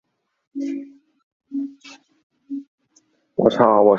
簇之间的正则映射相对其上的扎里斯基拓扑是连续的。